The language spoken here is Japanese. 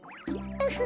ウフフフ。